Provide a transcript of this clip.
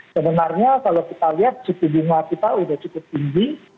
sebenarnya kalau kita lihat suku bunga kita sudah cukup tinggi